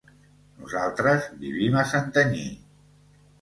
Nosaltres vivim a Santanyí.